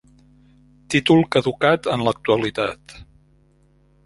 Títol caducat en l'actualitat.